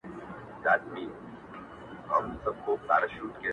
ته راته ووایه چي څنگه به جنجال نه راځي _